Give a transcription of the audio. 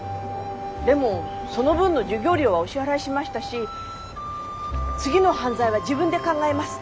でもその分の授業料はお支払いしましたし次の犯罪は自分で考えます。